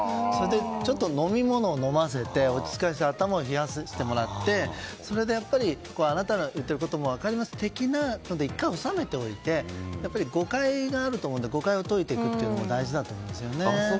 ちょっと飲み物を飲ませて落ち着かせて頭を冷やしてもらってあなたが言っていることも分かりますというようなことで１回、おさめておいて誤解があると思うので誤解を解いていくのも大事だと思うんですよね。